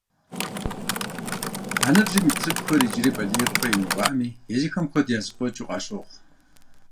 А ныбжьым ит цӏыкӏухэр иджыри балигъыпӏэ имыувами, езыхэм куэд яхыззфӏэкӏыу къащохъуж.